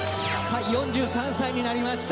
４３歳になりました。